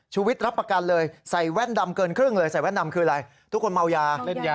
วิทย์รับประกันเลยใส่แว่นดำเกินครึ่งเลยใส่แว่นดำคืออะไรทุกคนเมายาเล่นยา